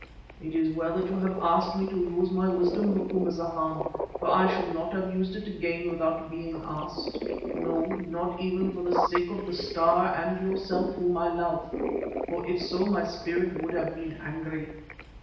It is well that you have asked me to use my wisdom, Macumazahn, for I should not have used it again without being asked—no, not even for the sake of the Star and yourself, whom I love, for if so my Spirit would have been angry.